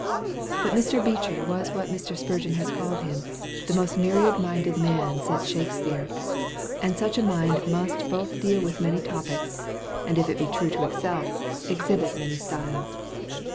But Mr. Beecher was what Mr. Spurgeon has called him, "the most myriad minded man since Shakespeare"; and such a mind must both deal with many topics, and if it be true to itself, exhibit many styles.